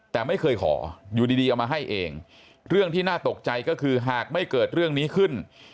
แต่ไม่เคยขออยู่ดีเอามาให้เองเรื่องที่น่าตกใจก็คือหากไม่เกิดเรื่องนี้ขึ้น